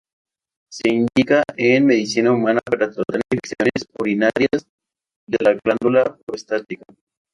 Se indica en medicina humana para tratar infecciones urinarias y de la glándula prostática.